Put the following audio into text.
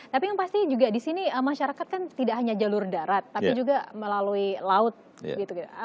tapi yang pasti juga di sini masyarakat kan tidak hanya jalur darat tapi juga melalui laut gitu